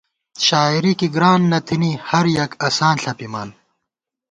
شاعری کی گران نہ تھنی ، ہر یَک اساں ݪَپِمان